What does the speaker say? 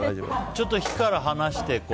ちょっと火から離して？